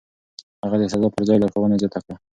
هغه د سزا پر ځای لارښوونه زياته کړه.